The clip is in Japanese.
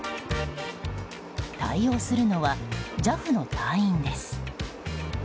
対応するのは、ＪＡＦの隊員です。